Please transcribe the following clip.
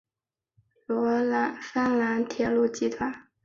芬兰铁路集团。